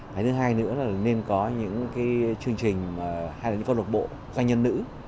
thứ hai nữa là nên có những chương trình hay là những con luật bộ doanh nhân nữ